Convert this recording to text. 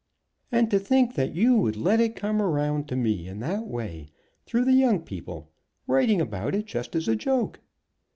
"And to think that you would let it come round to me in that way, through the young people, writing about it just as a joke!"